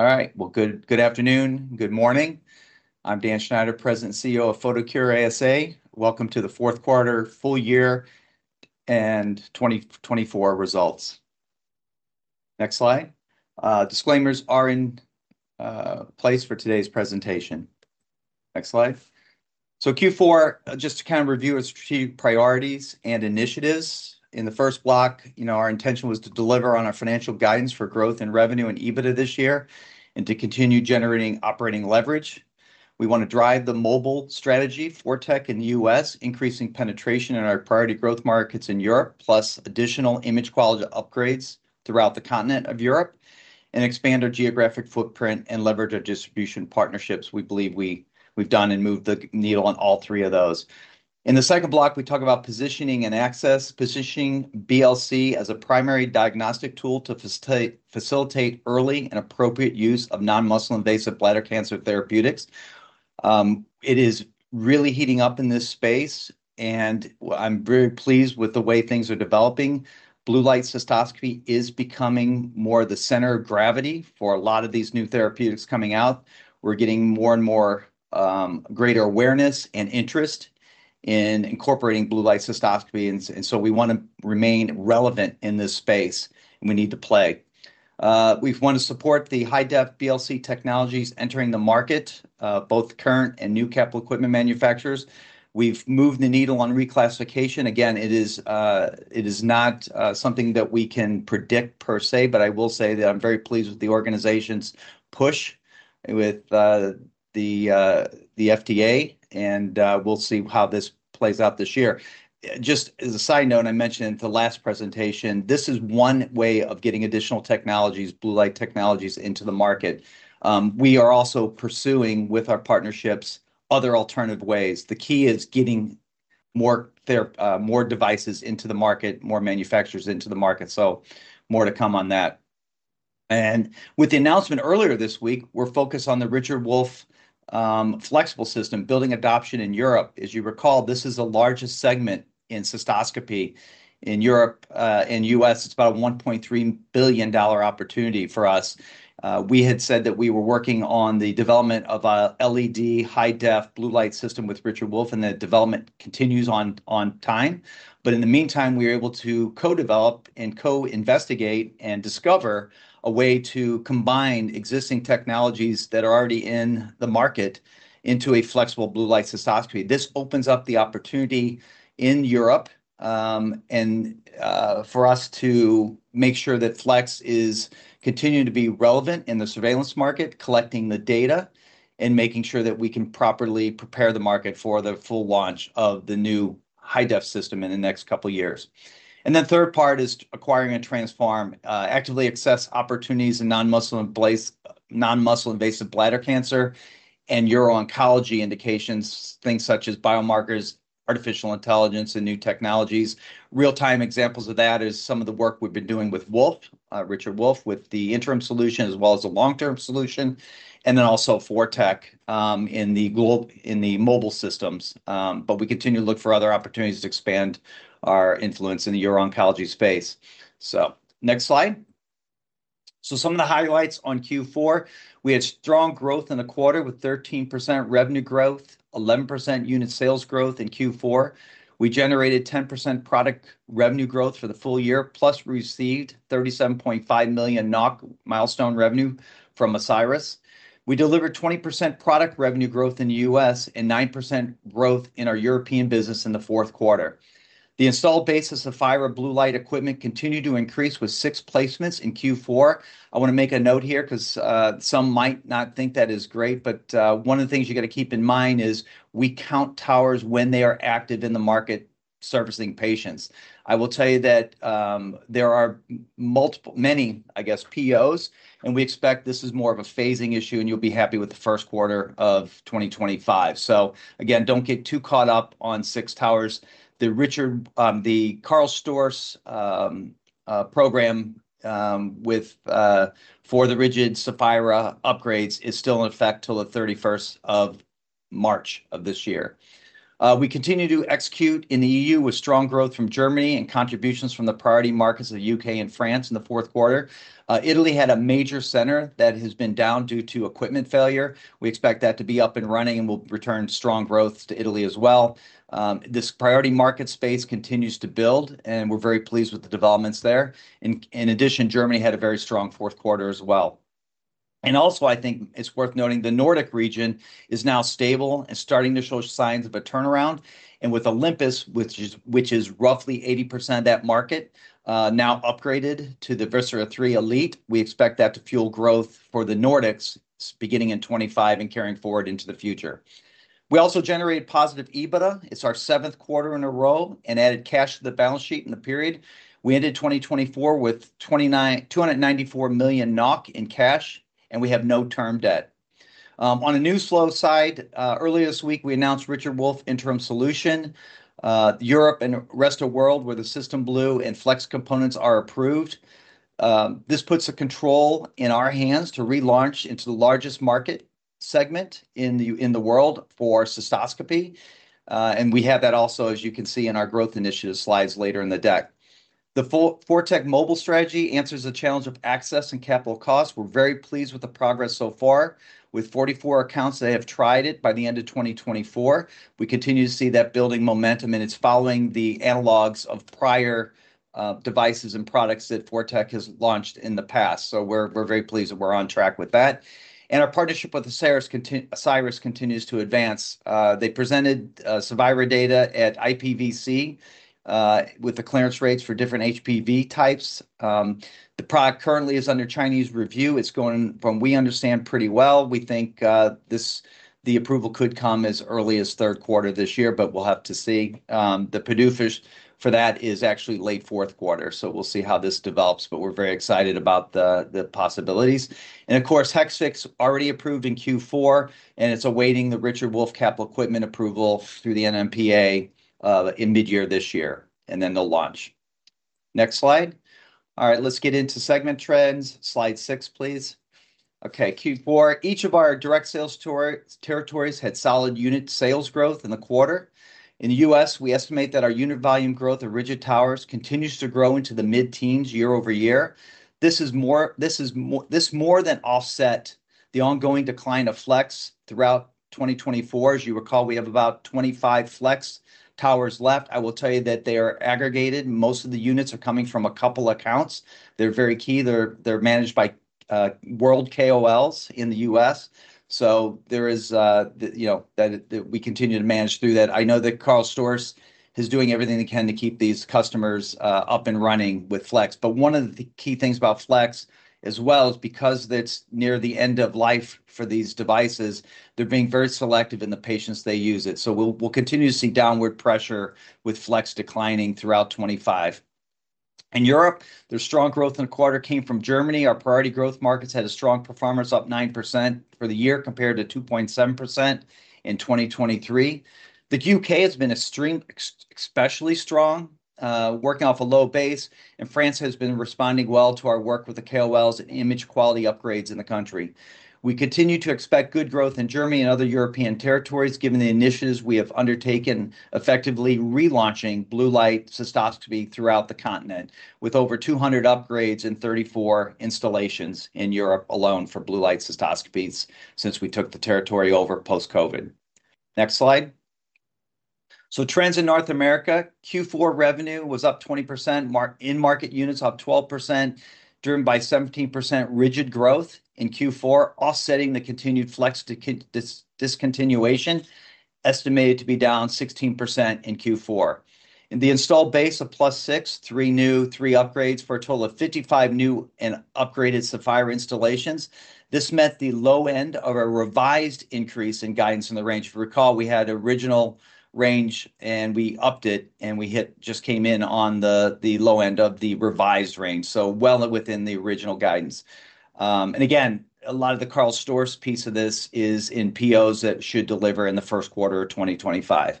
All right. Good afternoon, good morning. I'm Dan Schneider, President and CEO of Photocure ASA. Welcome to the fourth quarter, full year, and 2024 results. Next slide. Disclaimers are in place for today's presentation. Next slide. Q4, just to kind of review our strategic priorities and initiatives. In the first block, our intention was to deliver on our financial guidance for growth in revenue and EBITDA this year and to continue generating operating leverage. We want to drive the mobile strategy for ForTec in the US, increasing penetration in our priority growth markets in Europe, plus additional image quality upgrades throughout the continent of Europe, and expand our geographic footprint and leverage our distribution partnerships. We believe we've done and moved the needle on all three of those. In the second block, we talk about positioning and access, positioning BLC as a primary diagnostic tool to facilitate early and appropriate use of non-muscle-invasive bladder cancer therapeutics. It is really heating up in this space, and I'm very pleased with the way things are developing. Blue light cystoscopy is becoming more of the center of gravity for a lot of these new therapeutics coming out. We're getting more and more greater awareness and interest in incorporating blue light cystoscopy. We want to remain relevant in this space, and we need to play. We want to support the high-depth BLC technologies entering the market, both current and new capital equipment manufacturers. We've moved the needle on reclassification. Again, it is not something that we can predict per se, but I will say that I'm very pleased with the organization's push with the FDA, and we'll see how this plays out this year. Just as a side note, I mentioned in the last presentation, this is one way of getting additional technologies, blue light technologies, into the market. We are also pursuing, with our partnerships, other alternative ways. The key is getting more devices into the market, more manufacturers into the market. More to come on that. With the announcement earlier this week, we're focused on the Richard Wolf flexible system, building adoption in Europe. As you recall, this is the largest segment in cystoscopy in Europe. In the US, it's about a $1.3 billion opportunity for us. We had said that we were working on the development of an LED high-depth blue light system with Richard Wolf, and that development continues on time. In the meantime, we were able to co-develop and co-investigate and discover a way to combine existing technologies that are already in the market into a flexible blue light cystoscopy. This opens up the opportunity in Europe and for us to make sure that Flex is continuing to be relevant in the surveillance market, collecting the data, and making sure that we can properly prepare the market for the full launch of the new high-depth system in the next couple of years. The third part is acquiring and transform, actively access opportunities in non-muscle-invasive bladder cancer and uro-oncology indications, things such as biomarkers, artificial intelligence, and new technologies. Real-time examples of that are some of the work we've been doing with Richard Wolf with the interim solution as well as the long-term solution, and then also ForTec in the mobile systems. We continue to look for other opportunities to expand our influence in the uro-oncology space. Next slide. Some of the highlights on Q4. We had strong growth in the quarter with 13% revenue growth, 11% unit sales growth in Q4. We generated 10% product revenue growth for the full year, plus we received 37.5 million NOK milestone revenue from Asiris. We delivered 20% product revenue growth in the US and 9% growth in our European business in the fourth quarter. The installed base of flexible blue light equipment continued to increase with six placements in Q4. I want to make a note here because some might not think that is great, but one of the things you got to keep in mind is we count towers when they are active in the market servicing patients. I will tell you that there are many, I guess, POs, and we expect this is more of a phasing issue, and you'll be happy with the first quarter of 2025. Again, don't get too caught up on six towers. The Karl Storz program for the rigid Saphira upgrades is still in effect till the 31st of March of this year. We continue to execute in the EU with strong growth from Germany and contributions from the priority markets of the U.K. and France in the fourth quarter. Italy had a major center that has been down due to equipment failure. We expect that to be up and running, and we'll return strong growth to Italy as well. This priority market space continues to build, and we're very pleased with the developments there. In addition, Germany had a very strong fourth quarter as well. I think it's worth noting the Nordic region is now stable and starting to show signs of a turnaround. With Olympus, which is roughly 80% of that market, now upgraded to the Visera Elite III, we expect that to fuel growth for the Nordics beginning in 2025 and carrying forward into the future. We also generated positive EBITDA. It's our seventh quarter in a row and added cash to the balance sheet in the period. We ended 2024 with 294 million NOK in cash, and we have no term debt. On the news flow side, earlier this week, we announced Richard Wolf interim solution. Europe and the rest of the world where the System Blue and FLEX components are approved. This puts a control in our hands to relaunch into the largest market segment in the world for cystoscopy. You can see that also, as you can see in our growth initiative slides later in the deck. The ForTec mobile strategy answers the challenge of access and capital costs. We are very pleased with the progress so far. With 44 accounts, they have tried it by the end of 2024. We continue to see that building momentum, and it is following the analogs of prior devices and products that ForTec has launched in the past. We are very pleased that we are on track with that. Our partnership with Asiris continues to advance. They presented Saphira data at IPVC with the clearance rates for different HPV types. The product currently is under Chinese review. It's going, from what we understand, pretty well. We think the approval could come as early as third quarter this year, but we'll have to see. The PDUFA for that is actually late fourth quarter. We will see how this develops, but we're very excited about the possibilities. Of course, Hexvix already approved in Q4, and it's awaiting the Richard Wolf capital equipment approval through the NMPA in mid-year this year, and then they'll launch. Next slide. All right, let's get into segment trends. Slide six, please. Okay, Q4, each of our direct sales territories had solid unit sales growth in the quarter. In the US, we estimate that our unit volume growth of rigid towers continues to grow into the mid-teens year over year. This has more than offset the ongoing decline of FLEX throughout 2024. As you recall, we have about 25 FLEX towers left. I will tell you that they are aggregated. Most of the units are coming from a couple of accounts. They're very key. They're managed by world KOLs in the US. There is that we continue to manage through that. I know that Karl Storz is doing everything they can to keep these customers up and running with FLEX. One of the key things about FLEX as well is because it's near the end of life for these devices, they're being very selective in the patients they use it. We will continue to see downward pressure with FLEX declining throughout 2025. In Europe, strong growth in the quarter came from Germany. Our priority growth markets had a strong performance, up 9% for the year compared to 2.7% in 2023. The U.K. has been especially strong, working off a low base, and France has been responding well to our work with the KOLs and image quality upgrades in the country. We continue to expect good growth in Germany and other European territories, given the initiatives we have undertaken, effectively relaunching blue light cystoscopy throughout the continent, with over 200 upgrades and 34 installations in Europe alone for blue light cystoscopies since we took the territory over post-COVID. Next slide. Trends in North America, Q4 revenue was up 20%, in-market units up 12%, driven by 17% rigid growth in Q4, offsetting the continued FLEX discontinuation, estimated to be down 16% in Q4. In the installed base of plus six, three new, three upgrades for a total of 55 new and upgraded Saphira installations. This met the low end of a revised increase in guidance in the range. Recall, we had original range, and we upped it, and we just came in on the low end of the revised range, so well within the original guidance. Again, a lot of the Karl Storz piece of this is in POs that should deliver in the first quarter of 2025. The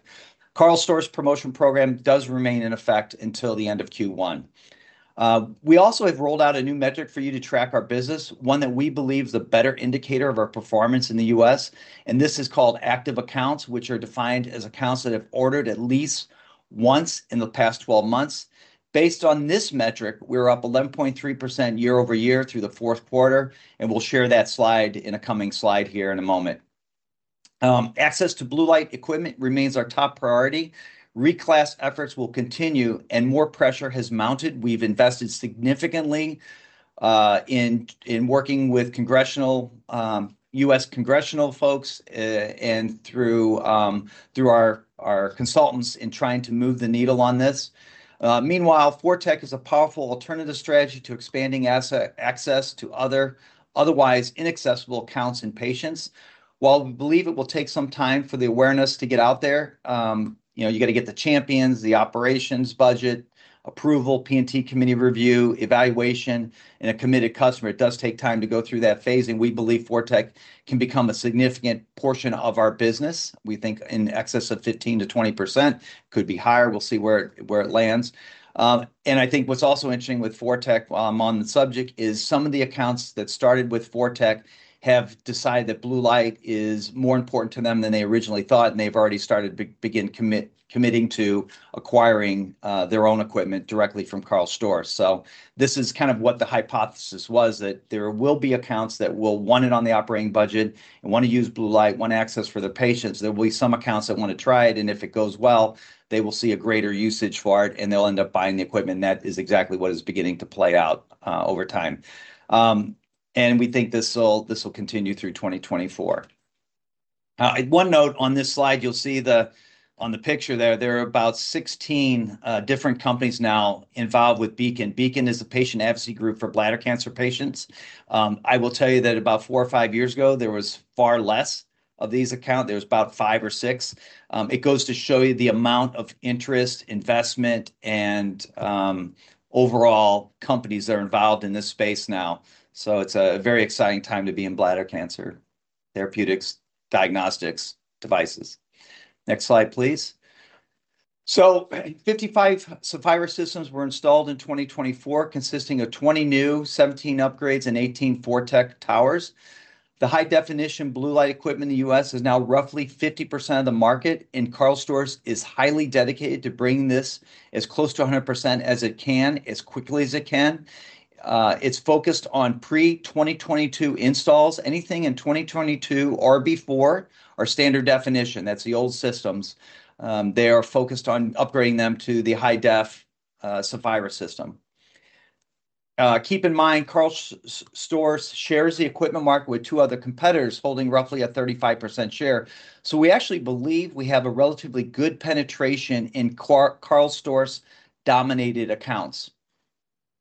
Karl Storz promotion program does remain in effect until the end of Q1. We also have rolled out a new metric for you to track our business, one that we believe is a better indicator of our performance in the US, and this is called active accounts, which are defined as accounts that have ordered at least once in the past 12 months. Based on this metric, we're up 11.3% year over year through the fourth quarter, and we'll share that slide in a coming slide here in a moment. Access to blue light equipment remains our top priority. Reclass efforts will continue, and more pressure has mounted. We've invested significantly in working with U.S. congressional folks and through our consultants in trying to move the needle on this. Meanwhile, ForTec is a powerful alternative strategy to expanding access to otherwise inaccessible accounts and patients. While we believe it will take some time for the awareness to get out there, you got to get the champions, the operations budget, approval, P&T committee review, evaluation, and a committed customer. It does take time to go through that phase, and we believe ForTec can become a significant portion of our business. We think in excess of 15%-20%, could be higher. We'll see where it lands. I think what's also interesting with ForTec, while I'm on the subject, is some of the accounts that started with ForTec have decided that blue light is more important to them than they originally thought, and they've already started committing to acquiring their own equipment directly from Karl Storz. This is kind of what the hypothesis was, that there will be accounts that will want it on the operating budget, want to use blue light, want access for their patients. There will be some accounts that want to try it, and if it goes well, they will see a greater usage for it, and they'll end up buying the equipment. That is exactly what is beginning to play out over time. We think this will continue through 2024. One note on this slide, you'll see on the picture there, there are about 16 different companies now involved with Beacon. Beacon is a patient advocacy group for bladder cancer patients. I will tell you that about four or five years ago, there was far less of these accounts. There was about five or six. It goes to show you the amount of interest, investment, and overall companies that are involved in this space now. It is a very exciting time to be in bladder cancer therapeutics, diagnostics, devices. Next slide, please. Fifty-five Saphira systems were installed in 2024, consisting of 20 new, 17 upgrades, and 18 ForTec towers. The high-definition blue light equipment in the US is now roughly 50% of the market, and Karl Storz is highly dedicated to bringing this as close to 100% as it can, as quickly as it can. It's focused on pre-2022 installs. Anything in 2022 or before are standard definition. That's the old systems. They are focused on upgrading them to the high-def Saphira system. Keep in mind, Karl Storz shares the equipment market with two other competitors holding roughly a 35% share. We actually believe we have a relatively good penetration in Karl Storz-dominated accounts.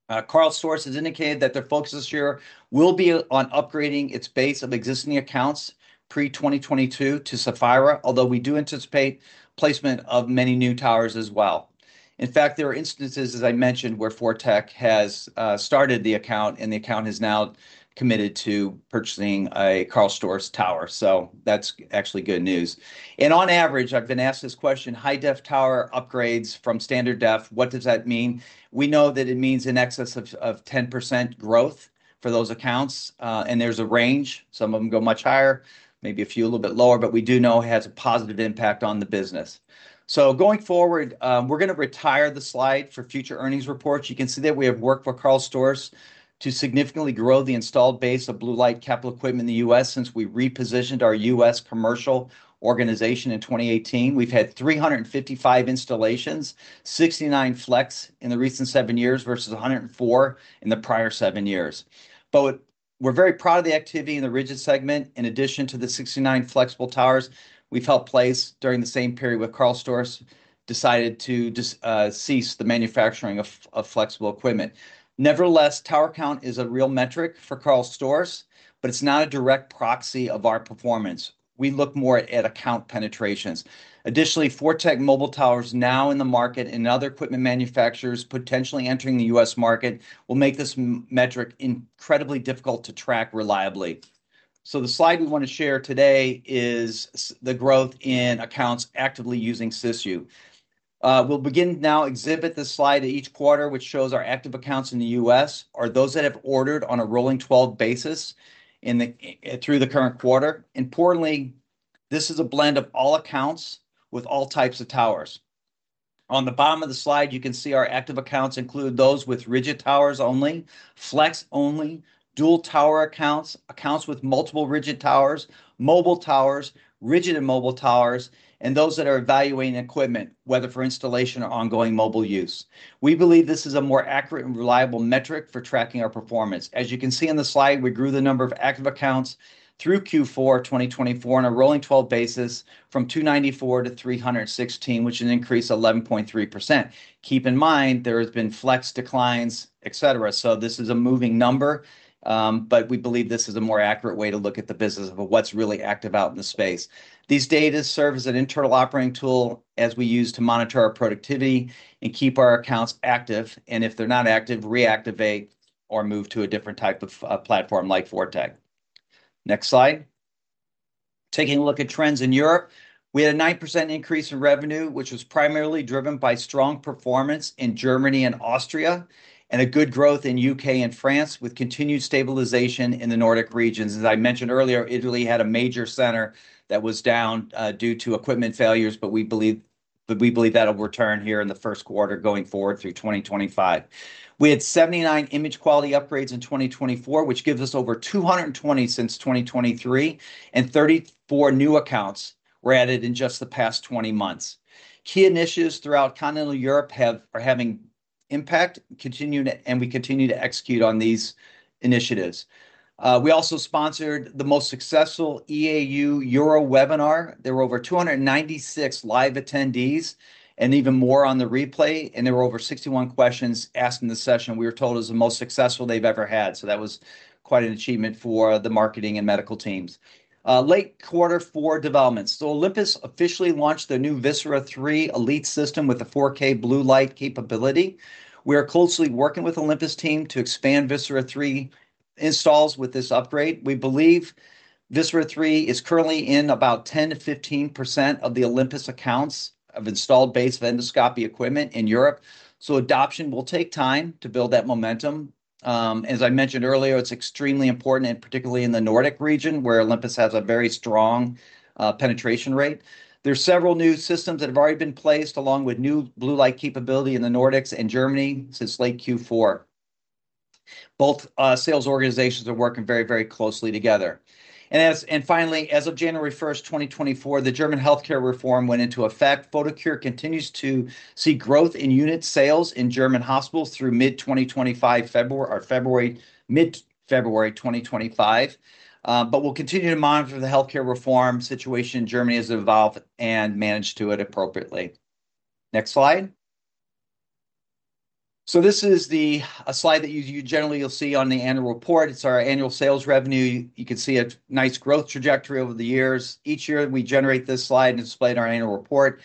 Karl Storz has indicated that their focus this year will be on upgrading its base of existing accounts pre-2022 to Saphira, although we do anticipate placement of many new towers as well. In fact, there are instances, as I mentioned, where ForTec has started the account, and the account has now committed to purchasing a Karl Storz tower. That's actually good news. On average, I've been asked this question: high-def tower upgrades from standard def, what does that mean? We know that it means an excess of 10% growth for those accounts, and there's a range. Some of them go much higher, maybe a few a little bit lower, but we do know it has a positive impact on the business. Going forward, we're going to retire the slide for future earnings reports. You can see that we have worked for Karl Storz to significantly grow the installed base of blue light capital equipment in the US since we repositioned our US commercial organization in 2018. We've had 355 installations, 69 FLEX in the recent seven years versus 104 in the prior seven years. We are very proud of the activity in the rigid segment. In addition to the 69 flexible towers, we've held place during the same period with Karl Storz decided to cease the manufacturing of flexible equipment. Nevertheless, tower count is a real metric for Karl Storz, but it's not a direct proxy of our performance. We look more at account penetrations. Additionally, ForTec mobile towers now in the market and other equipment manufacturers potentially entering the US market will make this metric incredibly difficult to track reliably. The slide we want to share today is the growth in accounts actively using SISU. We will begin now to exhibit the slide of each quarter, which shows our active accounts in the US are those that have ordered on a rolling 12 basis through the current quarter. Importantly, this is a blend of all accounts with all types of towers. On the bottom of the slide, you can see our active accounts include those with rigid towers only, FLEX only, dual tower accounts, accounts with multiple rigid towers, mobile towers, rigid and mobile towers, and those that are evaluating equipment, whether for installation or ongoing mobile use. We believe this is a more accurate and reliable metric for tracking our performance. As you can see on the slide, we grew the number of active accounts through Q4 2024 on a rolling 12 basis from 294 to 316, which is an increase of 11.3%. Keep in mind, there have been FLEX declines, etc. This is a moving number, but we believe this is a more accurate way to look at the business of what's really active out in the space. These data serve as an internal operating tool as we use to monitor our productivity and keep our accounts active. If they're not active, reactivate or move to a different type of platform like ForTec. Next slide. Taking a look at trends in Europe, we had a 9% increase in revenue, which was primarily driven by strong performance in Germany and Austria, and good growth in the U.K. and France with continued stabilization in the Nordic region. As I mentioned earlier, Italy had a major center that was down due to equipment failures, but we believe that will return here in the first quarter going forward through 2025. We had 79 image quality upgrades in 2024, which gives us over 220 since 2023, and 34 new accounts were added in just the past 20 months. Key initiatives throughout continental Europe are having impact, and we continue to execute on these initiatives. We also sponsored the most successful EAU Euro webinar. There were over 296 live attendees and even more on the replay, and there were over 61 questions asked in the session. We were told it was the most successful they've ever had. That was quite an achievement for the marketing and medical teams. Late quarter four developments. Olympus officially launched the new Visera 3 Elite system with a 4K blue light capability. We are closely working with the Olympus team to expand Visera 3 installs with this upgrade. We believe Visera 3 is currently in about 10-15% of the Olympus accounts of installed base of endoscopy equipment in Europe. Adoption will take time to build that momentum. As I mentioned earlier, it's extremely important, and particularly in the Nordic region where Olympus has a very strong penetration rate. There's several new systems that have already been placed along with new blue light capability in the Nordics and Germany since late Q4. Both sales organizations are working very, very closely together. Finally, as of January 1, 2024, the German healthcare reform went into effect. Photocure continues to see growth in unit sales in German hospitals through mid-February 2024. We will continue to monitor the healthcare reform situation in Germany as it evolves and manage to it appropriately. Next slide. This is the slide that you generally will see on the annual report. It's our annual sales revenue. You can see a nice growth trajectory over the years. Each year we generate this slide and display it in our annual report.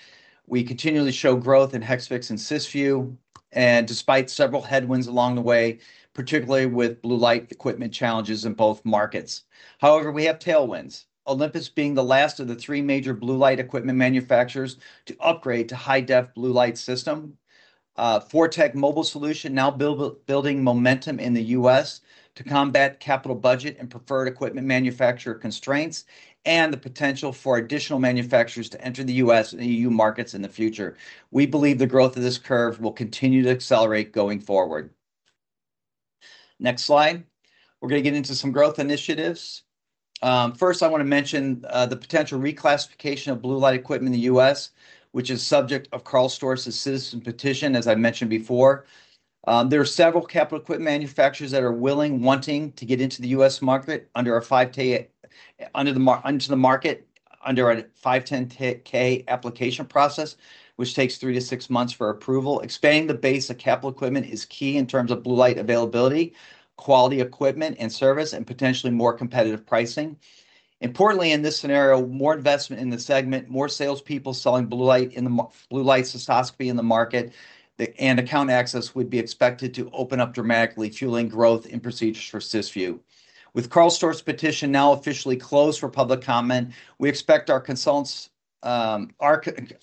We continually show growth in Hexvix and SISU, and despite several headwinds along the way, particularly with blue light equipment challenges in both markets. However, we have tailwinds, Olympus being the last of the three major blue light equipment manufacturers to upgrade to high-def blue light system. ForTec mobile solution now building momentum in the US to combat capital budget and preferred equipment manufacturer constraints and the potential for additional manufacturers to enter the US and EU markets in the future. We believe the growth of this curve will continue to accelerate going forward. Next slide. We're going to get into some growth initiatives. First, I want to mention the potential reclassification of blue light equipment in the US, which is subject of Karl Storz' citizen petition, as I mentioned before. There are several capital equipment manufacturers that are willing, wanting to get into the US market under a 510K, under the market, under a 510K application process, which takes three to six months for approval. Expanding the base of capital equipment is key in terms of blue light availability, quality equipment and service, and potentially more competitive pricing. Importantly, in this scenario, more investment in the segment, more salespeople selling blue light in the blue light cystoscopy in the market, and account access would be expected to open up dramatically, fueling growth in procedures for SISU. With Karl Storz's petition now officially closed for public comment, we expect our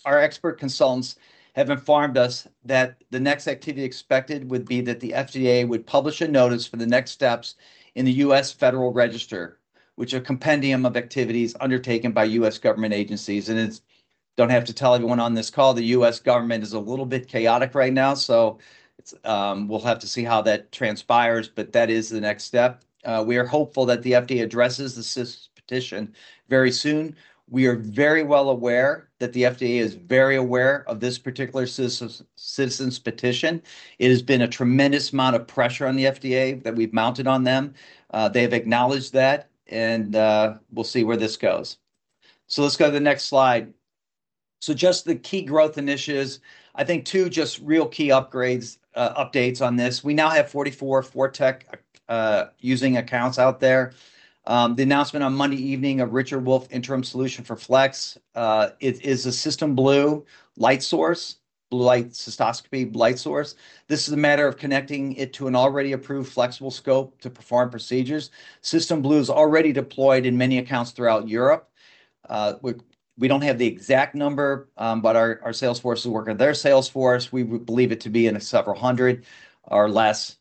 expert consultants have informed us that the next activity expected would be that the FDA would publish a notice for the next steps in the U.S. Federal Register, which is a compendium of activities undertaken by U.S. government agencies. I do not have to tell everyone on this call, the U.S. government is a little bit chaotic right now, so we will have to see how that transpires, but that is the next step. We are hopeful that the FDA addresses the SISU petition very soon. We are very well aware that the FDA is very aware of this particular citizen's petition. It has been a tremendous amount of pressure on the FDA that we've mounted on them. They have acknowledged that, and we'll see where this goes. Let's go to the next slide. Just the key growth initiatives, I think two just real key updates on this. We now have 44 ForTec using accounts out there. The announcement on Monday evening of Richard Wolf Interim Solution for FLEX is a System Blue light source, blue light cystoscopy light source. This is a matter of connecting it to an already approved flexible scope to perform procedures. System Blue is already deployed in many accounts throughout Europe. We don't have the exact number, but our sales forces work on their sales force. We believe it to be in several hundred or less.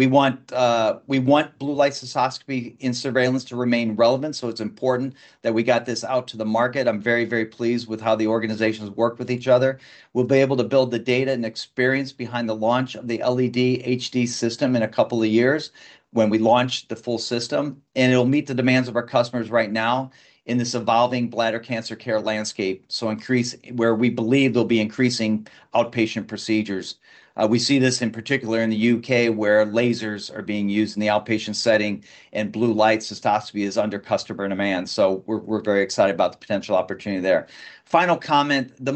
We want blue light cystoscopy in surveillance to remain relevant, so it's important that we got this out to the market. I'm very, very pleased with how the organizations work with each other. We'll be able to build the data and experience behind the launch of the LED HD system in a couple of years when we launch the full system, and it'll meet the demands of our customers right now in this evolving bladder cancer care landscape. We believe there will be increasing outpatient procedures. We see this in particular in the U.K. where lasers are being used in the outpatient setting, and blue light cystoscopy is under customer demand. We are very excited about the potential opportunity there. Final comment, the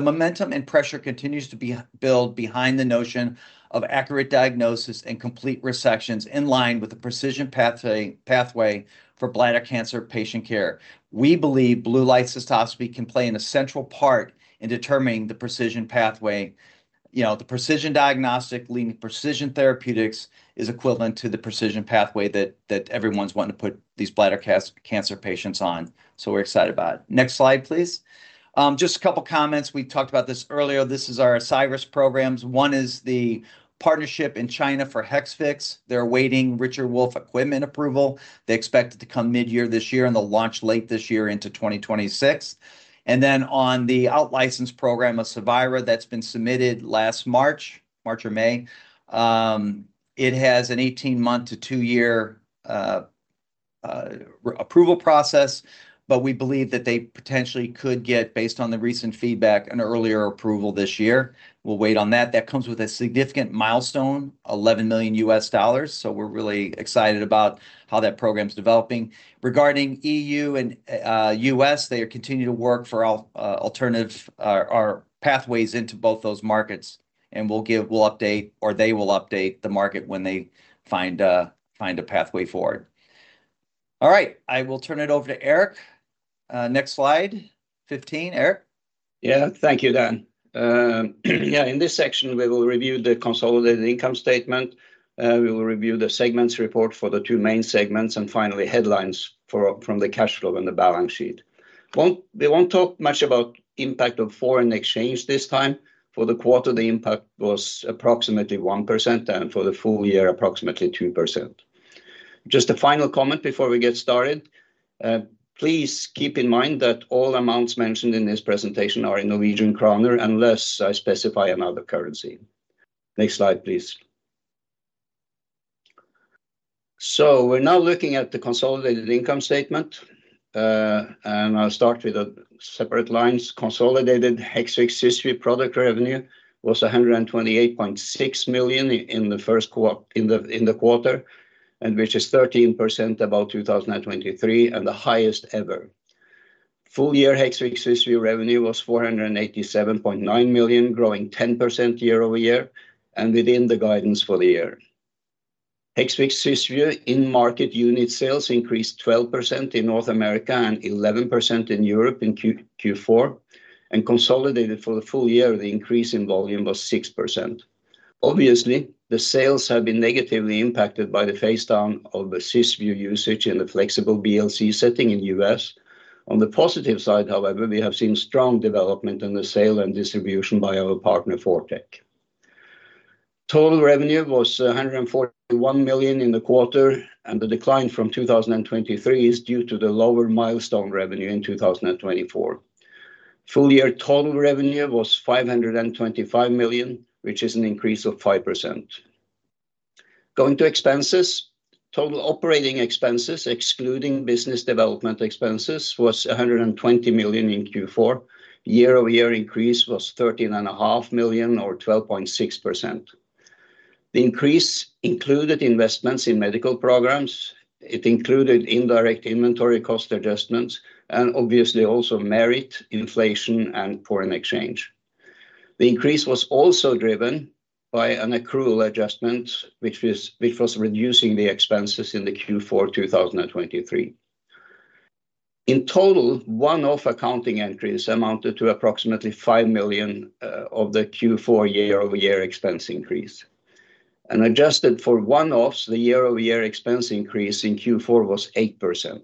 momentum and pressure continues to be built behind the notion of accurate diagnosis and complete resections in line with the precision pathway for bladder cancer patient care. We believe blue light cystoscopy can play a central part in determining the precision pathway. The precision diagnostic leading precision therapeutics is equivalent to the precision pathway that everyone's wanting to put these bladder cancer patients on. We are excited about it. Next slide, please. Just a couple of comments. We talked about this earlier. This is our Asiris programs. One is the partnership in China for Hexvix. They are awaiting Richard Wolf equipment approval. They expect it to come mid-year this year and they will launch late this year into 2026. On the out-licensed program of SAVIRA that's been submitted last March, March or May, it has an 18-month to two-year approval process, but we believe that they potentially could get, based on the recent feedback, an earlier approval this year. We'll wait on that. That comes with a significant milestone, $11 million. We're really excited about how that program's developing. Regarding EU and US, they are continuing to work for our pathways into both those markets, and we'll update or they will update the market when they find a pathway forward. All right. I will turn it over to Erik. Next slide, 15, Erik. Yeah, thank you, Dan. Yeah, in this section, we will review the consolidated income statement. We will review the segments report for the two main segments and finally headlines from the cash flow and the balance sheet. We won't talk much about the impact of foreign exchange this time. For the quarter, the impact was approximately 1%, and for the full year, approximately 2%. Just a final comment before we get started. Please keep in mind that all amounts mentioned in this presentation are in NOK unless I specify another currency. Next slide, please. We're now looking at the consolidated income statement, and I'll start with the separate lines. Consolidated Hexvix SISU product revenue was 128.6 million in the first quarter, which is 13% above 2023 and the highest ever. Full year Hexvix SISU revenue was 487.9 million, growing 10% year over year and within the guidance for the year. Hexvix SISU in market unit sales increased 12% in North America and 11% in Europe in Q4, and consolidated for the full year, the increase in volume was 6%. Obviously, the sales have been negatively impacted by the phase-down of the SISU usage in the flexible BLC setting in the US. On the positive side, however, we have seen strong development in the sale and distribution by our partner ForTec. Total revenue was 141 million in the quarter, and the decline from 2023 is due to the lower milestone revenue in 2024. Full year total revenue was 525 million, which is an increase of 5%. Going to expenses, total operating expenses excluding business development expenses was 120 million in Q4. Year-over-year increase was 13.5 million or 12.6%. The increase included investments in medical programs. It included indirect inventory cost adjustments and obviously also merit inflation and foreign exchange. The increase was also driven by an accrual adjustment, which was reducing the expenses in Q4 2023. In total, one-off accounting entries amounted to approximately 5 million of the Q4 year-over-year expense increase. Adjusted for one-offs, the year-over-year expense increase in Q4 was 8%.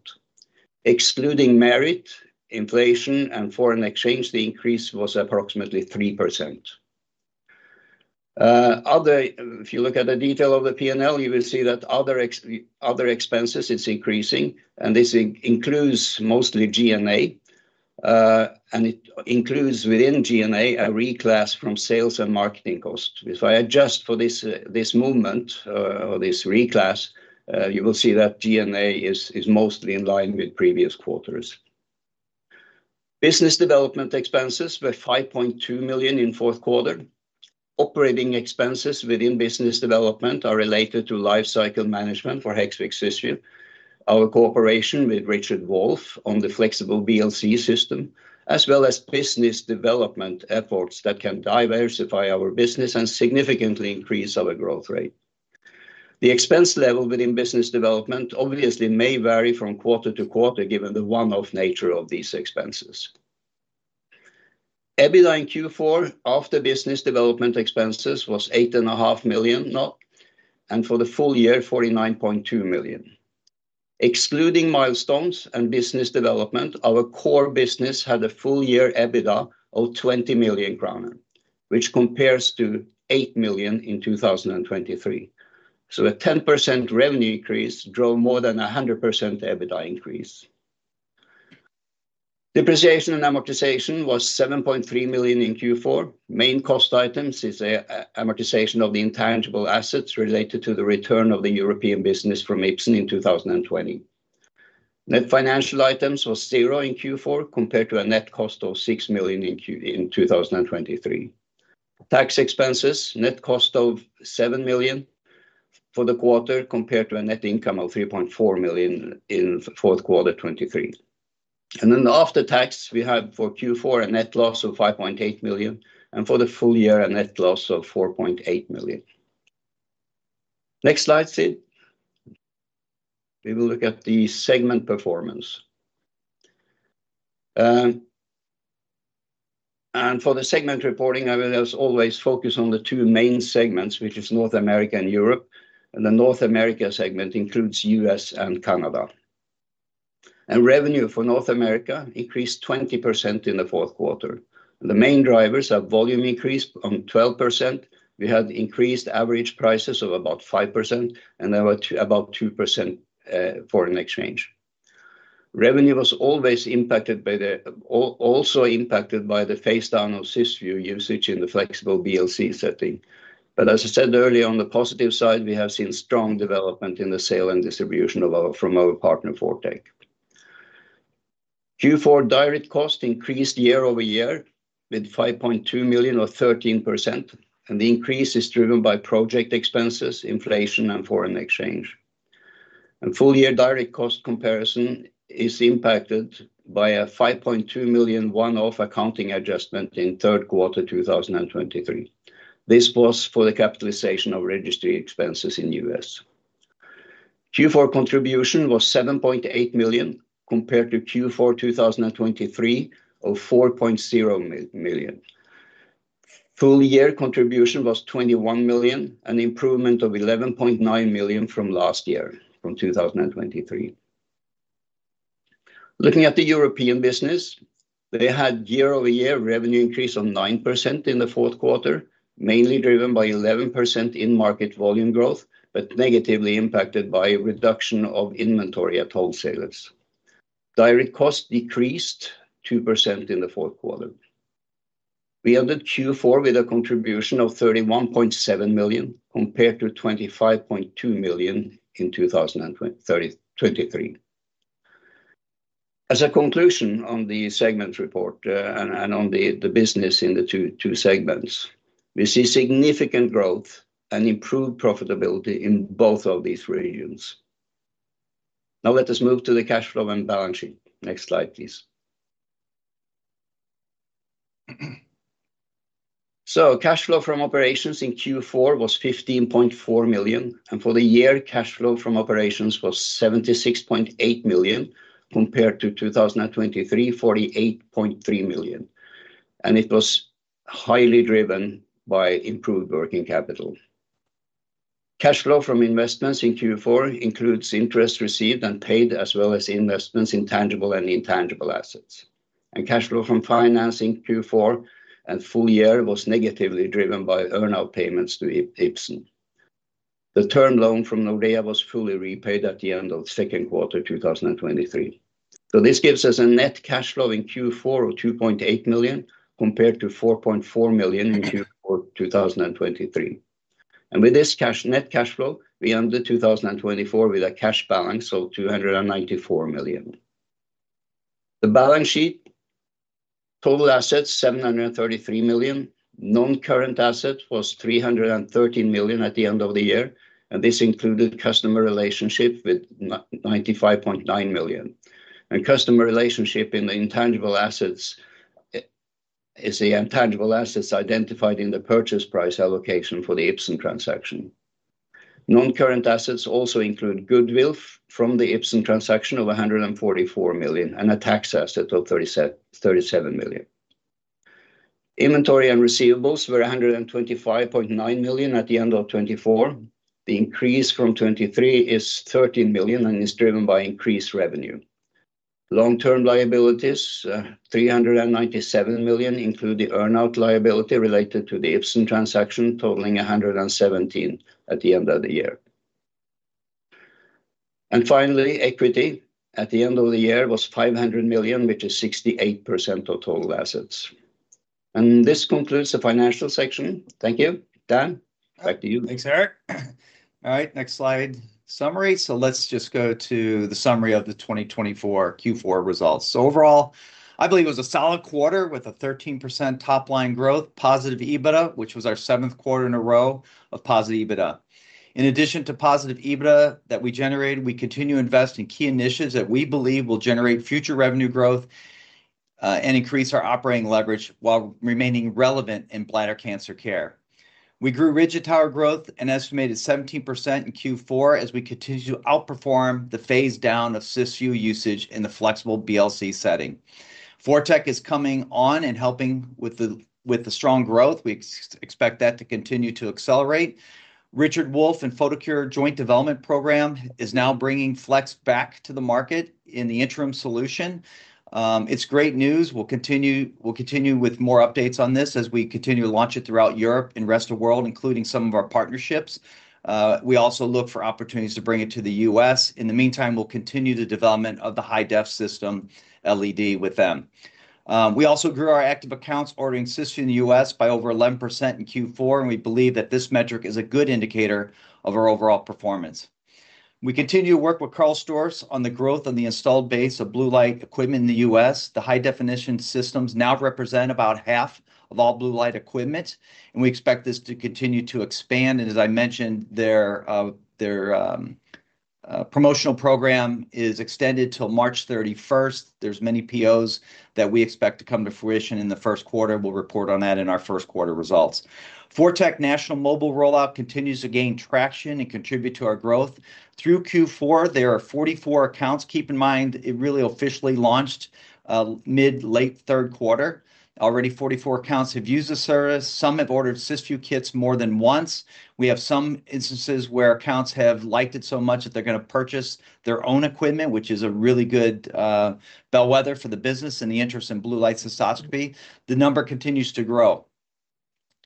Excluding merit, inflation, and foreign exchange, the increase was approximately 3%. If you look at the detail of the P&L, you will see that other expenses, it's increasing, and this includes mostly G&A. It includes within G&A a reclass from sales and marketing costs. If I adjust for this movement or this reclass, you will see that G&A is mostly in line with previous quarters. Business development expenses were 5.2 million in fourth quarter. Operating expenses within business development are related to life cycle management for Hexvix SISU, our cooperation with Richard Wolf on the flexible BLC system, as well as business development efforts that can diversify our business and significantly increase our growth rate. The expense level within business development obviously may vary from quarter to quarter given the one-off nature of these expenses. EBITDA in Q4 after business development expenses was 8.5 million, and for the full year, 49.2 million. Excluding milestones and business development, our core business had a full year EBITDA of 20 million kroner, which compares to 8 million in 2023. A 10% revenue increase drove more than a 100% EBITDA increase. Depreciation and amortization was 7.3 million in Q4. Main cost items is the amortization of the intangible assets related to the return of the European business from Ipsen in 2020. Net financial items was zero in Q4 compared to a net cost of 6 million in 2023. Tax expenses, net cost of 7 million for the quarter compared to a net income of 3.4 million in fourth quarter 2023. After tax, we have for Q4 a net loss of 5.8 million, and for the full year, a net loss of 4.8 million. Next slide, please. We will look at the segment performance. For the segment reporting, I will, as always, focus on the two main segments, which are North America and Europe. The North America segment includes US and Canada. Revenue for North America increased 20% in the fourth quarter. The main drivers are volume increase on 12%. We had increased average prices of about 5% and about 2% foreign exchange. Revenue was also impacted by the phase-down of SISU usage in the flexible BLC setting. As I said earlier, on the positive side, we have seen strong development in the sale and distribution from our partner ForTec. Q4 direct cost increased year-over-year with 5.2 million or 13%, and the increase is driven by project expenses, inflation, and foreign exchange. Full year direct cost comparison is impacted by a 5.2 million one-off accounting adjustment in third quarter 2023. This was for the capitalization of registry expenses in the US. Q4 contribution was 7.8 million compared to Q4 2023 of 4.0 million. Full year contribution was 21 million, an improvement of 11.9 million from last year from 2023. Looking at the European business, they had year-over-year revenue increase of 9% in the fourth quarter, mainly driven by 11% in market volume growth, but negatively impacted by reduction of inventory at wholesalers. Direct cost decreased 2% in the fourth quarter. We ended Q4 with a contribution of 31.7 million compared to 25.2 million in 2023. As a conclusion on the segments report and on the business in the two segments, we see significant growth and improved profitability in both of these regions. Now let us move to the cash flow and balance sheet. Next slide, please. Cash flow from operations in Q4 was 15.4 million, and for the year, cash flow from operations was 76.8 million compared to 2023, 48.3 million. It was highly driven by improved working capital. Cash flow from investments in Q4 includes interest received and paid as well as investments in tangible and intangible assets. Cash flow from financing Q4 and full year was negatively driven by earnout payments to Ipsen. The term loan from Nordea was fully repaid at the end of the second quarter 2023. This gives us a net cash flow in Q4 of 2.8 million compared to 4.4 million in Q4 2023. With this net cash flow, we ended 2024 with a cash balance of 294 million. The balance sheet, total assets 733 million. Non-current asset was 313 million at the end of the year, and this included customer relationship with 95.9 million. Customer relationship in the intangible assets is the intangible assets identified in the purchase price allocation for the Ipsen transaction. Non-current assets also include goodwill from the Ipsen transaction of 144 million and a tax asset of 37 million. Inventory and receivables were 125.9 million at the end of 2024. The increase from 2023 is 13 million and is driven by increased revenue. Long-term liabilities, 397 million, include the earnout liability related to the Ipsen transaction totaling 117 million at the end of the year. Finally, equity at the end of the year was 500 million, which is 68% of total assets. This concludes the financial section. Thank you, Dan. Back to you. Thanks, Erik. All right, next slide. Summary. Let's just go to the summary of the 2024 Q4 results. Overall, I believe it was a solid quarter with a 13% top-line growth, positive EBITDA, which was our seventh quarter in a row of positive EBITDA. In addition to positive EBITDA that we generated, we continue to invest in key initiatives that we believe will generate future revenue growth and increase our operating leverage while remaining relevant in bladder cancer care. We grew rigid tower growth an estimated 17% in Q4 as we continue to outperform the phase-down of SISU usage in the flexible BLC setting. ForTec is coming on and helping with the strong growth. We expect that to continue to accelerate. Richard Wolf and Photocure joint development program is now bringing FLEX back to the market in the interim solution. It's great news. We'll continue with more updates on this as we continue to launch it throughout Europe and the rest of the world, including some of our partnerships. We also look for opportunities to bring it to the US. In the meantime, we'll continue the development of the high-def system LED with them. We also grew our active accounts ordering SISU in the US by over 11% in Q4, and we believe that this metric is a good indicator of our overall performance. We continue to work with Karl Storz on the growth and the installed base of blue light equipment in the US. The high-definition systems now represent about half of all blue light equipment, and we expect this to continue to expand. As I mentioned, their promotional program is extended till March 31. There are many POs that we expect to come to fruition in the first quarter. We will report on that in our first quarter results. ForTec National Mobile rollout continues to gain traction and contribute to our growth. Through Q4, there are 44 accounts. Keep in mind, it really officially launched mid-late third quarter. Already, 44 accounts have used the service. Some have ordered SISU kits more than once. We have some instances where accounts have liked it so much that they are going to purchase their own equipment, which is a really good bellwether for the business and the interest in blue light cystoscopy. The number continues to grow.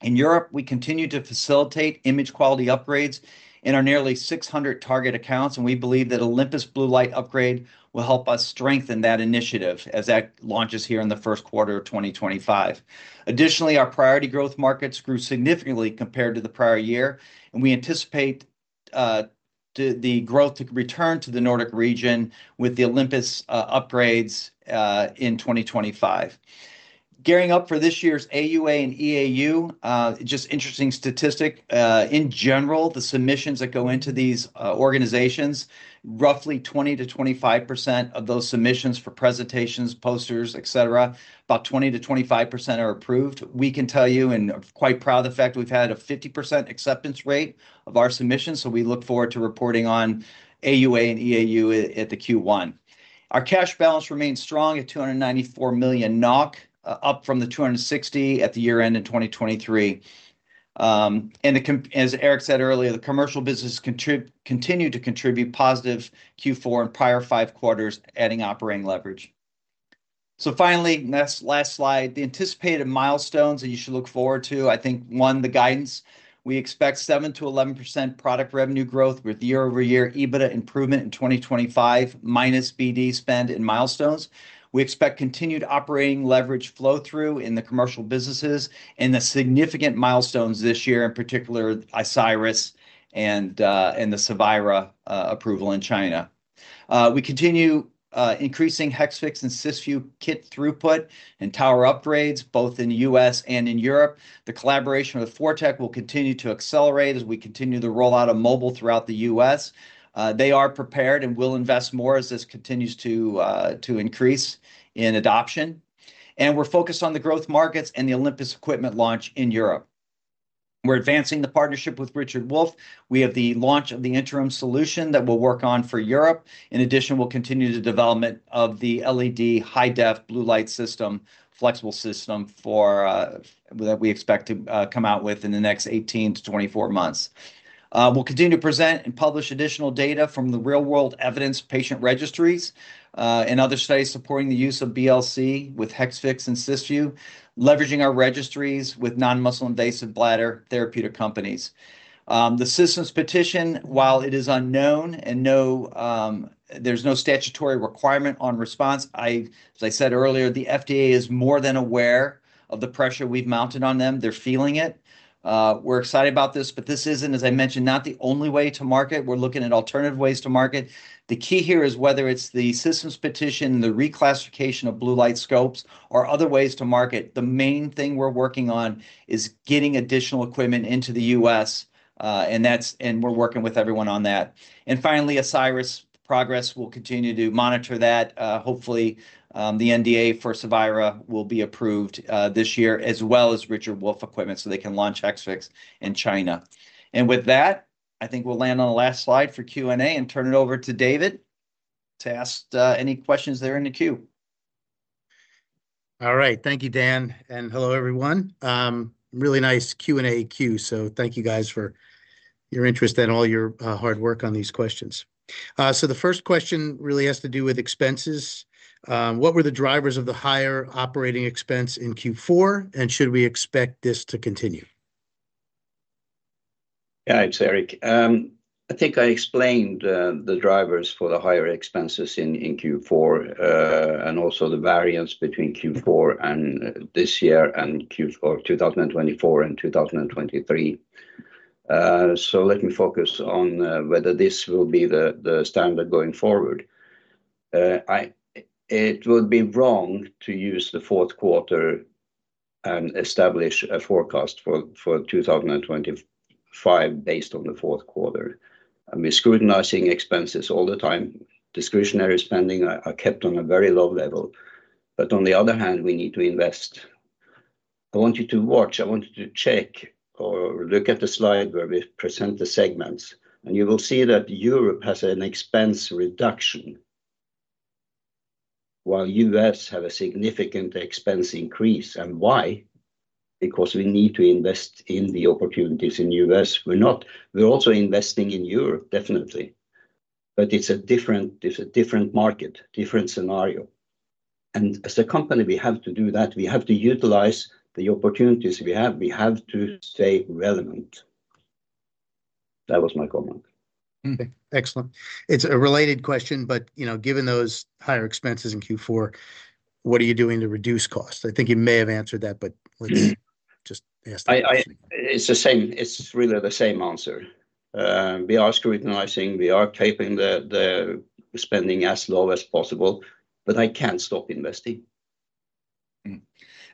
In Europe, we continue to facilitate image quality upgrades in our nearly 600 target accounts, and we believe that Olympus blue light upgrade will help us strengthen that initiative as that launches here in the first quarter of 2025. Additionally, our priority growth markets grew significantly compared to the prior year, and we anticipate the growth to return to the Nordic region with the Olympus upgrades in 2025. Gearing up for this year's AUA and EAU, just interesting statistic. In general, the submissions that go into these organizations, roughly 20-25% of those submissions for presentations, posters, etc., about 20-25% are approved. We can tell you in quite proud effect, we've had a 50% acceptance rate of our submissions, so we look forward to reporting on AUA and EAU at the Q1. Our cash balance remains strong at 294 million NOK, up from the 260 million at the year-end in 2023. As Erik said earlier, the commercial business continued to contribute positive Q4 and prior five quarters, adding operating leverage. Finally, last slide, the anticipated milestones that you should look forward to. I think one, the guidance. We expect 7%-11% product revenue growth with year-over-year EBITDA improvement in 2025, minus BD spend in milestones. We expect continued operating leverage flow-through in the commercial businesses and the significant milestones this year, in particular, Asiris and the SAVIRA approval in China. We continue increasing Hexvix and SISU kit throughput and tower upgrades, both in the US and in Europe. The collaboration with ForTec will continue to accelerate as we continue the rollout of mobile throughout the US. They are prepared and will invest more as this continues to increase in adoption. We're focused on the growth markets and the Olympus equipment launch in Europe. We're advancing the partnership with Richard Wolf. We have the launch of the interim solution that we'll work on for Europe. In addition, we'll continue the development of the LED high-def blue light system, flexible system that we expect to come out with in the next 18-24 months. We'll continue to present and publish additional data from the real-world evidence patient registries and other studies supporting the use of BLC with Hexvix and SISU, leveraging our registries with non-muscle-invasive bladder therapeutic companies. The systems petition, while it is unknown and there's no statutory requirement on response, as I said earlier, the FDA is more than aware of the pressure we've mounted on them. They're feeling it. We're excited about this, but this isn't, as I mentioned, not the only way to market. We're looking at alternative ways to market. The key here is whether it's the systems petition, the reclassification of blue light scopes, or other ways to market. The main thing we're working on is getting additional equipment into the US, and we're working with everyone on that. Finally, Asiris progress. We'll continue to monitor that. Hopefully, the NDA for SAVIRA will be approved this year, as well as Richard Wolf equipment, so they can launch Hexvix in China. With that, I think we'll land on the last slide for Q&A and turn it over to David to ask any questions there in the queue. All right. Thank you, Dan. Hello, everyone. Really nice Q&A queue. Thank you, guys, for your interest and all your hard work on these questions. The first question really has to do with expenses. What were the drivers of the higher operating expense in Q4, and should we expect this to continue? Yeah, it's Erik. I think I explained the drivers for the higher expenses in Q4 and also the variance between Q4 this year and Q4 2024 and 2023. Let me focus on whether this will be the standard going forward. It would be wrong to use the fourth quarter and establish a forecast for 2025 based on the fourth quarter. We're scrutinizing expenses all the time. Discretionary spending is kept on a very low level. On the other hand, we need to invest. I want you to watch. I want you to check or look at the slide where we present the segments, and you will see that Europe has an expense reduction, while the US has a significant expense increase. Why? Because we need to invest in the opportunities in the US. We're also investing in Europe, definitely. It is a different market, different scenario. As a company, we have to do that. We have to utilize the opportunities we have. We have to stay relevant. That was my comment. Okay. Excellent. It's a related question, but given those higher expenses in Q4, what are you doing to reduce costs? I think you may have answered that, but let's just ask the question. It's really the same answer. We are scrutinizing. We are keeping the spending as low as possible, but I can't stop investing.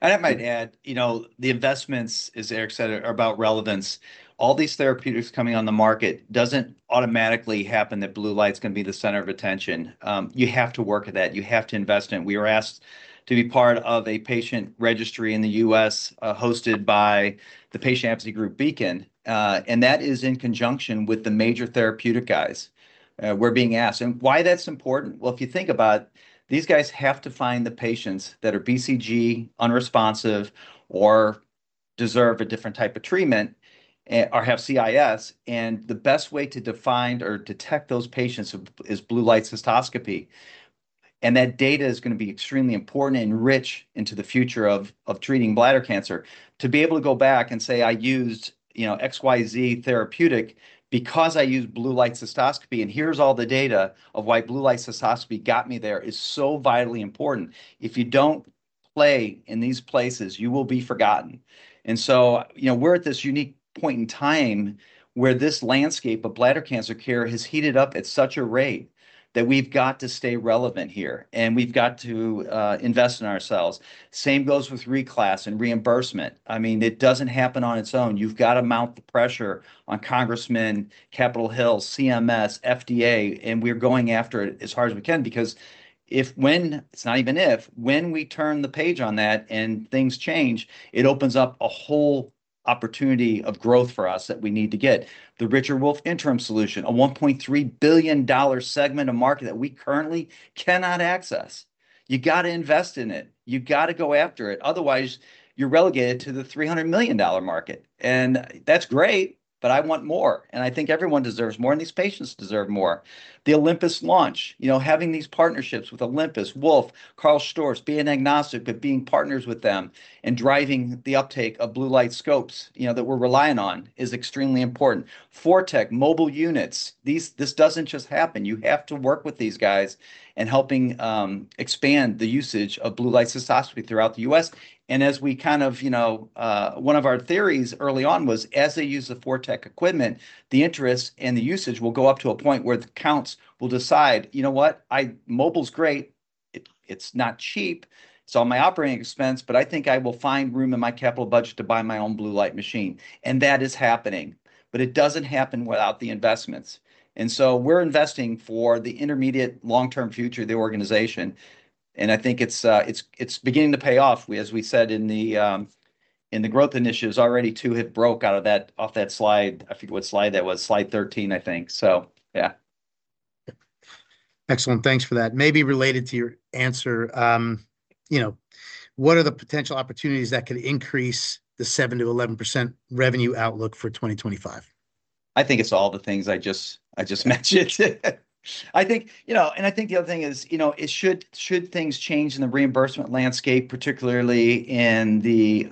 I might add, the investments, as Erik said, are about relevance. All these therapeutics coming on the market doesn't automatically happen that blue light's going to be the center of attention. You have to work at that. You have to invest in it. We were asked to be part of a patient registry in the US hosted by the patient advocacy group Beacon, and that is in conjunction with the major therapeutic guys we're being asked. Why that's important? If you think about it, these guys have to find the patients that are BCG unresponsive, or deserve a different type of treatment or have CIS. The best way to define or detect those patients is blue light cystoscopy. That data is going to be extremely important and rich into the future of treating bladder cancer. To be able to go back and say, "I used XYZ therapeutic because I used blue light cystoscopy, and here's all the data of why blue light cystoscopy got me there" is so vitally important. If you don't play in these places, you will be forgotten. We are at this unique point in time where this landscape of bladder cancer care has heated up at such a rate that we've got to stay relevant here, and we've got to invest in ourselves. Same goes with reclass and reimbursement. I mean, it doesn't happen on its own. You've got to mount the pressure on Congressmen, Capitol Hill, CMS, FDA, and we're going after it as hard as we can because it's not even if when we turn the page on that and things change, it opens up a whole opportunity of growth for us that we need to get. The Richard Wolf interim solution, a $1.3 billion segment of market that we currently cannot access. You got to invest in it. You got to go after it. Otherwise, you're relegated to the $300 million market. And that's great, but I want more. I think everyone deserves more, and these patients deserve more. The Olympus launch, having these partnerships with Olympus, Wolf, Karl Storz being agnostic, but being partners with them and driving the uptake of blue light scopes that we're relying on is extremely important. ForTec, mobile units, this doesn't just happen. You have to work with these guys in helping expand the usage of blue light cystoscopy throughout the US. As we kind of one of our theories early on was, as they use the ForTec equipment, the interest and the usage will go up to a point where the accounts will decide, "You know what? Mobile's great. It's not cheap. It's on my operating expense, but I think I will find room in my capital budget to buy my own blue light machine." That is happening, but it doesn't happen without the investments. We're investing for the intermediate long-term future of the organization. I think it's beginning to pay off. As we said in the growth initiatives, already two had broke out of that slide. I forget what slide that was, slide 13, I think. Yeah. Excellent. Thanks for that. Maybe related to your answer, what are the potential opportunities that could increase the 7-11% revenue outlook for 2025? I think it's all the things I just mentioned. I think the other thing is, should things change in the reimbursement landscape, particularly in the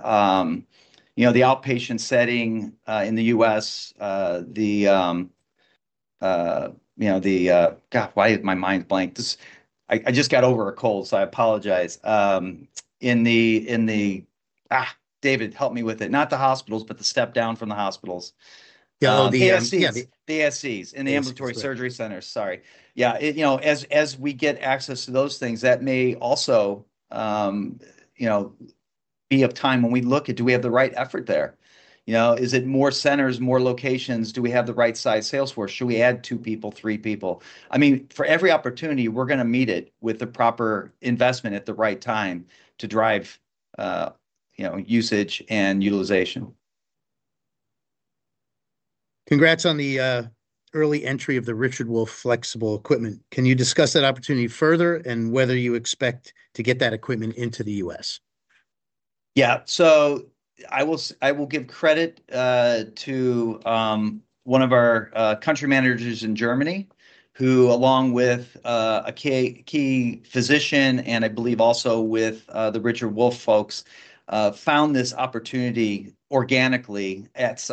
outpatient setting in the U.S., the—gosh, why is my mind blank? I just got over a cold, so I apologize. In the—David, help me with it. Not the hospitals, but the step down from the hospitals. Yeah, the ASCs. Yeah, the ASCs in the ambulatory surgery centers. Sorry. Yeah. As we get access to those things, that may also be a time when we look at, do we have the right effort there? Is it more centers, more locations? Do we have the right-sized salesforce? Should we add two people, three people? I mean, for every opportunity, we're going to meet it with the proper investment at the right time to drive usage and utilization. Congrats on the early entry of the Richard Wolf flexible equipment. Can you discuss that opportunity further and whether you expect to get that equipment into the US? Yeah. I will give credit to one of our country managers in Germany who, along with a key physician and I believe also with the Richard Wolf folks, found this opportunity organically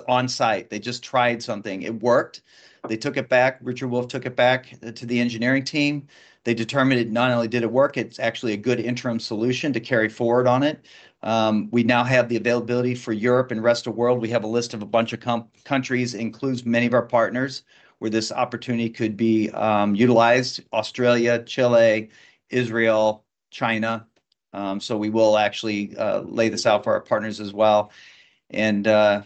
on-site. They just tried something. It worked. They took it back. Richard Wolf took it back to the engineering team. They determined it not only did it work, it's actually a good interim solution to carry forward on it. We now have the availability for Europe and the rest of the world. We have a list of a bunch of countries, includes many of our partners where this opportunity could be utilized: Australia, Chile, Israel, China. We will actually lay this out for our partners as well. Yeah,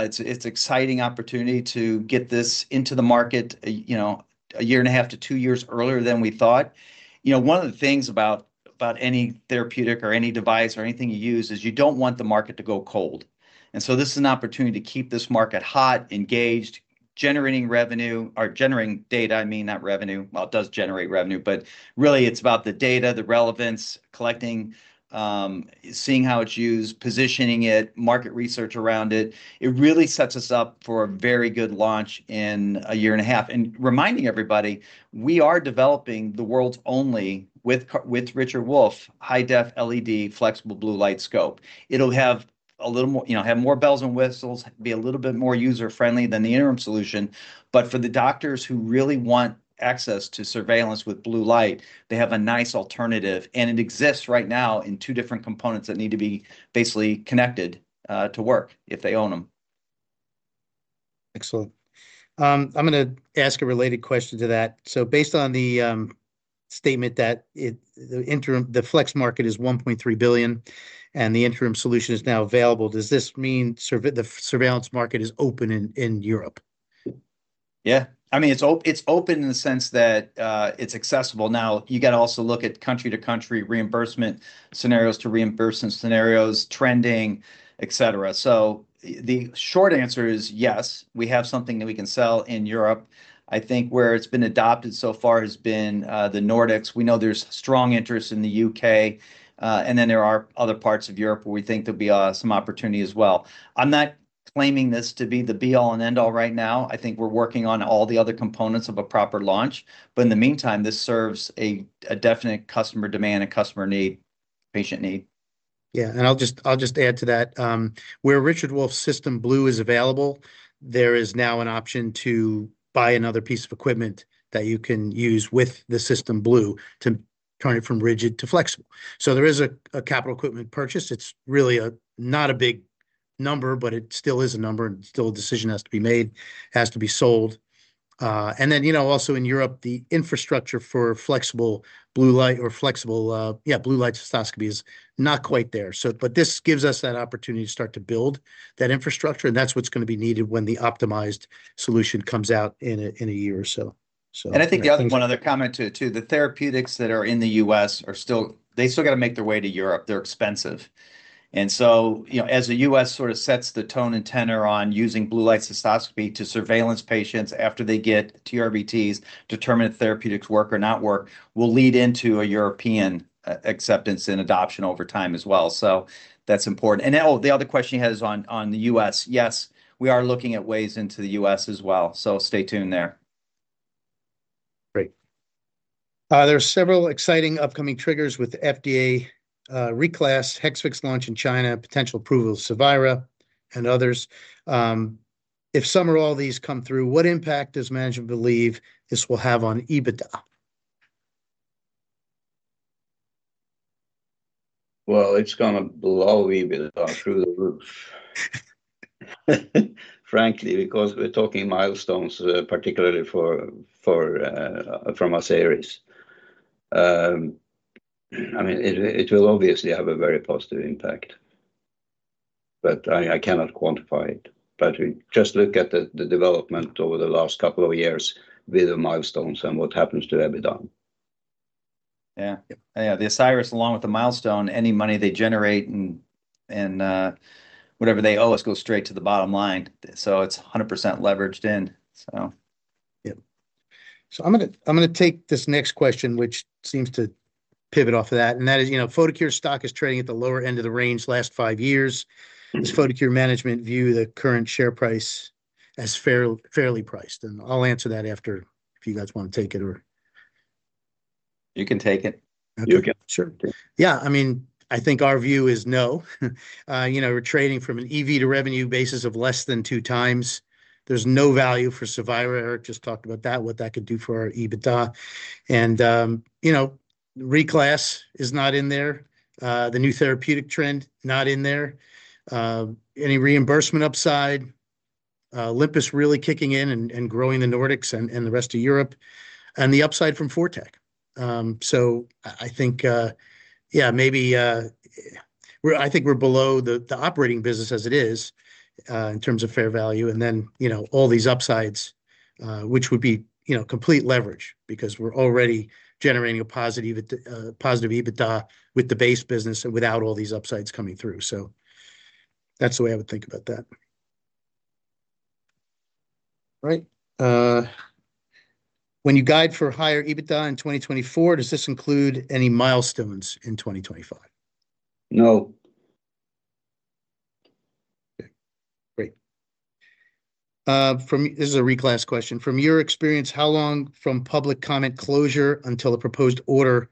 it's an exciting opportunity to get this into the market a year and a half to two years earlier than we thought. One of the things about any therapeutic or any device or anything you use is you don't want the market to go cold. This is an opportunity to keep this market hot, engaged, generating revenue or generating data, I mean, not revenue. It does generate revenue, but really, it's about the data, the relevance, collecting, seeing how it's used, positioning it, market research around it. It really sets us up for a very good launch in a year and a half. Reminding everybody, we are developing the world's only, with Richard Wolf, high-def LED flexible blue light scope. It'll have a little more—have more bells and whistles, be a little bit more user-friendly than the interim solution. For the doctors who really want access to surveillance with blue light, they have a nice alternative. It exists right now in two different components that need to be basically connected to work if they own them. Excellent. I'm going to ask a related question to that. Based on the statement that the FLEX market is $1.3 billion and the interim solution is now available, does this mean the surveillance market is open in Europe? Yeah. I mean, it's open in the sense that it's accessible. Now, you got to also look at country-to-country reimbursement scenarios, to reimbursement scenarios, trending, etc. The short answer is yes. We have something that we can sell in Europe. I think where it's been adopted so far has been the Nordics. We know there's strong interest in the U.K. There are other parts of Europe where we think there'll be some opportunity as well. I'm not claiming this to be the be-all and end-all right now. I think we're working on all the other components of a proper launch. In the meantime, this serves a definite customer demand and customer need, patient need. Yeah. I'll just add to that. Where Richard Wolf System Blue is available, there is now an option to buy another piece of equipment that you can use with the System Blue to turn it from rigid to flexible. There is a capital equipment purchase. It's really not a big number, but it still is a number, and still a decision has to be made, has to be sold. Also in Europe, the infrastructure for flexible blue light or flexible, yeah, blue light cystoscopy is not quite there. This gives us that opportunity to start to build that infrastructure. That's what's going to be needed when the optimized solution comes out in a year or so. I think the other one other comment too, the therapeutics that are in the US, they still got to make their way to Europe. They're expensive. As the US sort of sets the tone and tenor on using blue light cystoscopy to surveillance patients after they get TURBTs, determine if therapeutics work or not work, it will lead into a European acceptance and adoption over time as well. That is important. The other question you had is on the US. Yes, we are looking at ways into the US as well. Stay tuned there. Great. There are several exciting upcoming triggers with FDA, reclass, Hexvix launch in China, potential approval of SAVIRA, and others. If some or all of these come through, what impact does management believe this will have on EBITDA? It is going to blow EBITDA through the roof, frankly, because we are talking milestones, particularly from Asiris. I mean, it will obviously have a very positive impact, but I cannot quantify it. Just look at the development over the last couple of years with the milestones and what happens to EBITDA. Yeah. The Asiris, along with the milestone, any money they generate and whatever they owe us goes straight to the bottom line. It is 100% leveraged in. I am going to take this next question, which seems to pivot off of that. That is, Photocure stock is trading at the lower end of the range last five years. Does Photocure management view the current share price as fairly priced? I will answer that after if you guys want to take it or you can take it. You can. Sure. I mean, I think our view is no. We are trading from an EV to revenue basis of less than two times. There is no value for SAVIRA. Eric just talked about that, what that could do for our EBITDA. And reclass is not in there. The new therapeutic trend, not in there. Any reimbursement upside. Olympus really kicking in and growing the Nordics and the rest of Europe. And the upside from ForTec. I think, yeah, maybe I think we're below the operating business as it is in terms of fair value. All these upsides, which would be complete leverage because we're already generating a positive EBITDA with the base business and without all these upsides coming through. That's the way I would think about that. All right. When you guide for higher EBITDA in 2024, does this include any milestones in 2025? No. Okay. Great. This is a reclass question. From your experience, how long from public comment closure until a proposed order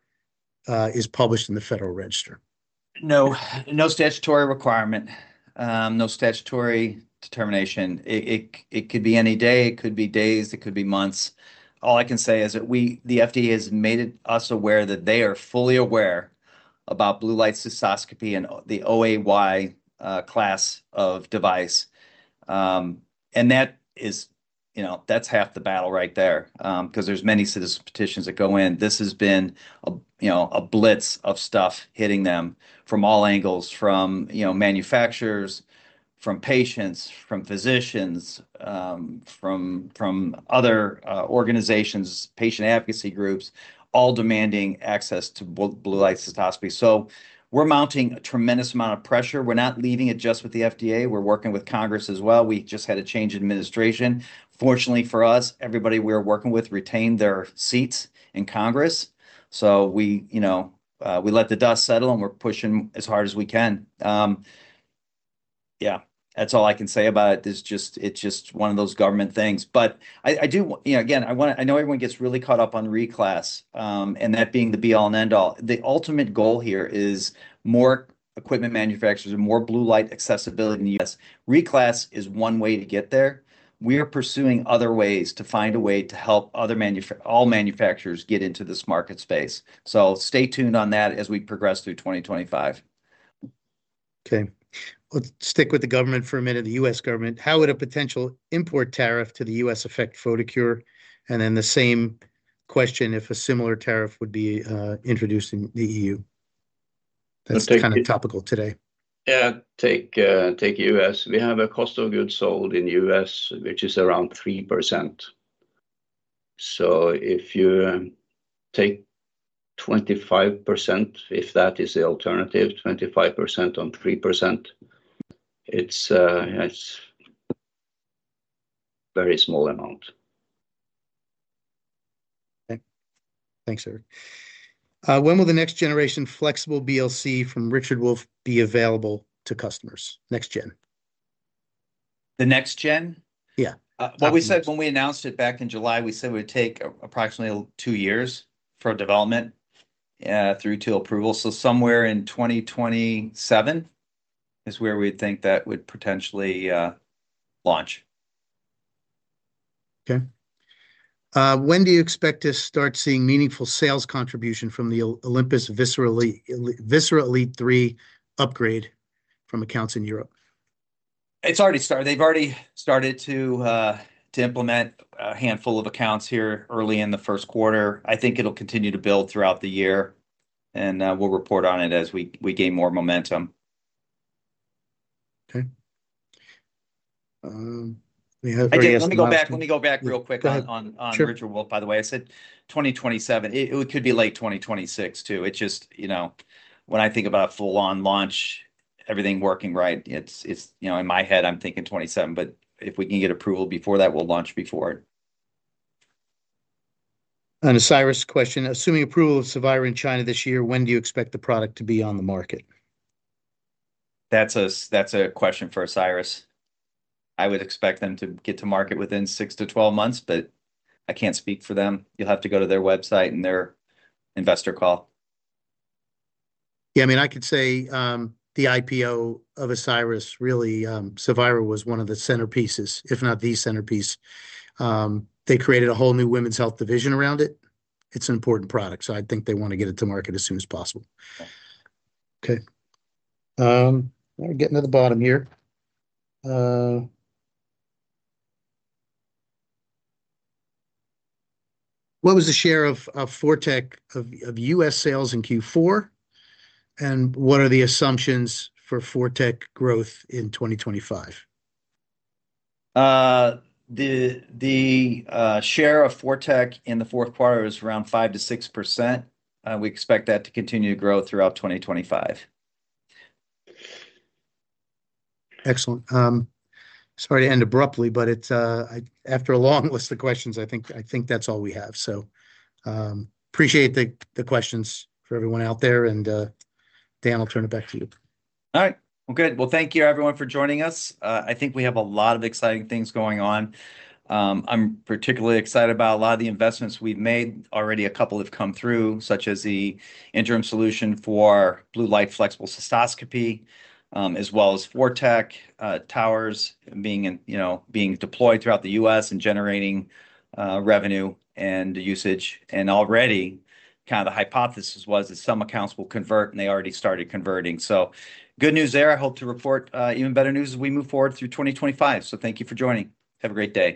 is published in the Federal Register? No. No statutory requirement. No statutory determination. It could be any day. It could be days. It could be months. All I can say is that the FDA has made us aware that they are fully aware about blue light cystoscopy and the OAY class of device. That is half the battle right there because there's many citizen petitions that go in. This has been a blitz of stuff hitting them from all angles, from manufacturers, from patients, from physicians, from other organizations, patient advocacy groups, all demanding access to blue light cystoscopy. We're mounting a tremendous amount of pressure. We're not leaving it just with the FDA. We're working with Congress as well. We just had a change in administration. Fortunately for us, everybody we're working with retained their seats in Congress. We let the dust settle, and we're pushing as hard as we can. Yeah. That's all I can say about it. It's just one of those government things. I do, again, I know everyone gets really caught up on reclass and that being the be-all and end-all. The ultimate goal here is more equipment manufacturers and more blue light accessibility in the US. Reclass is one way to get there. We are pursuing other ways to find a way to help all manufacturers get into this market space. Stay tuned on that as we progress through 2025. Okay. We'll stick with the government for a minute, the US government. How would a potential import tariff to the US affect Photocure? The same question, if a similar tariff would be introduced in the EU. That's kind of topical today. Yeah. Take US. We have a cost of goods sold in the US, which is around 3%. If you take 25%, if that is the alternative, 25% on 3%, it's a very small amount. Okay. Thanks, Erik. When will the next-generation flexible BLC from Richard Wolf be available to customers? Next gen. The next gen? Yeah. When we announced it back in July, we said it would take approximately two years for development through to approval. Somewhere in 2027 is where we think that would potentially launch. Okay. When do you expect to start seeing meaningful sales contribution from the Olympus Visera 3 Elite upgrade from accounts in Europe? It's already started. They've already started to implement a handful of accounts here early in the first quarter. I think it'll continue to build throughout the year. We'll report on it as we gain more momentum. Okay. We have very little time. Let me go back real quick on Richard Wolf, by the way. I said 2027. It could be late 2026 too. It's just when I think about a full-on launch, everything working right, in my head, I'm thinking '27. If we can get approval before that, we'll launch before it. On Asiris question, assuming approval of SAVIRA in China this year, when do you expect the product to be on the market? That's a question for Asiris. I would expect them to get to market within 6-12 months, but I can't speak for them. You'll have to go to their website and their investor call. Yeah. I mean, I could say the IPO of Asiris, really, SAVIRA was one of the centerpieces, if not the centerpiece. They created a whole new women's health division around it. It's an important product. I think they want to get it to market as soon as possible. Okay. We're getting to the bottom here. What was the share of ForTec of US sales in Q4? And what are the assumptions for ForTec growth in 2025? The share of ForTec in the fourth quarter is around 5-6%. We expect that to continue to grow throughout 2025. Excellent. Sorry to end abruptly, but after a long list of questions, I think that's all we have. I appreciate the questions for everyone out there. Dan, I'll turn it back to you. All right. Good. Thank you, everyone, for joining us. I think we have a lot of exciting things going on. I'm particularly excited about a lot of the investments we've made. Already, a couple have come through, such as the interim solution for blue light flexible cystoscopy, as well as ForTec towers being deployed throughout the US and generating revenue and usage. Already, kind of the hypothesis was that some accounts will convert, and they already started converting. Good news there. I hope to report even better news as we move forward through 2025. Thank you for joining. Have a great day.